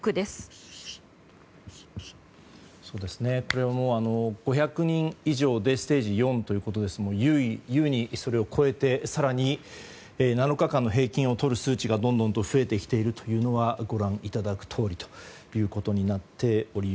これは５００人以上でステージ４ということですので優にそれを超えて７日間の平均をとる数値がどんどん増えているというのはご覧いただいているとおりです。